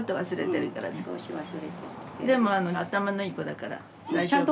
でも頭のいい子だから大丈夫。